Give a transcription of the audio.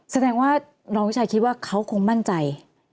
แสดงว่ารองวิชัยคิดว่าเขาคงมั่นใจ